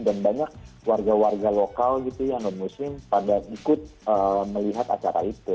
dan banyak warga warga lokal gitu ya non muslim pada ikut melihat acara itu